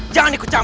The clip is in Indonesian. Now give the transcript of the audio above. jangan ikut kamu